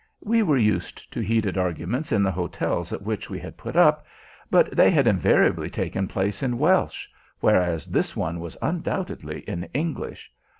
We were used to heated arguments in the hotels at which we had put up, but they had invariably taken place in Welsh, whereas this one was undoubtedly in English.